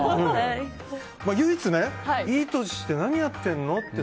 唯一ねいい年して何やってるの？って